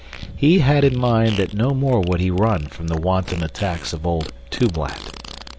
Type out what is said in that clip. He had in mind that no more would he run from the wanton attacks of old Tublat.